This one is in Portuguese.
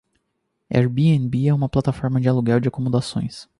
Airbnb é uma plataforma de aluguel de acomodações.